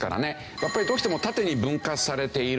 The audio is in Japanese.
やっぱりどうしても縦に分割されている。